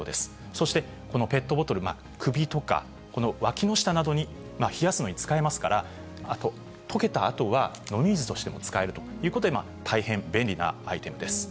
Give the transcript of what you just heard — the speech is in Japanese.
そしてこのペットボトル、首とかわきの下などを冷やすのに使えますから、あととけたあとは、飲み水としても使えるということで、大変便利なアイテムです。